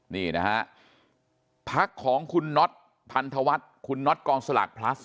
นี่นะฮะพักของคุณน็อตพันธวัฒน์คุณน็อตกองสลากพลัส